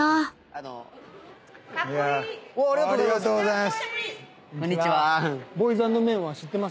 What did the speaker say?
ありがとうございます！